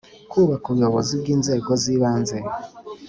Kubaka Ubuyobozi bw Inzego z Ibanze